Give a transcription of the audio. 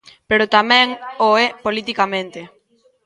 Pero tamén o é politicamente.